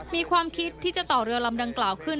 มีความคิดที่จะต่อเรือลำดังกล่าวขึ้น